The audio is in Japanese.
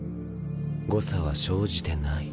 誤差は生じてない。